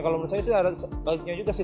kalau menurut saya sih ada sebagainya juga sih